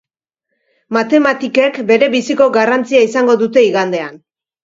Matematikek berebiziko garrantzia izango dute igandean.